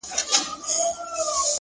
• ما د دريم ژوند وه اروا ته سجده وکړه؛